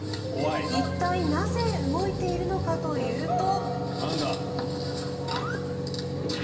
一体、なぜ動いているのかというと。